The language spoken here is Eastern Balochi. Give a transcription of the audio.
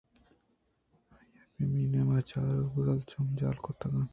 آئی ءَپیپی ءِ نیمگ ءَ چارگ ءِ بدل ءَ چم جہل کُت اَنت